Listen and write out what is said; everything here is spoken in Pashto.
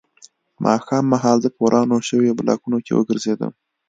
ماښام مهال زه په ورانو شویو بلاکونو کې وګرځېدم